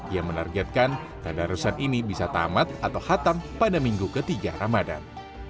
ia menargetkan tadarusan ini bisa tamat atau hatam pada minggu ketiga ramadan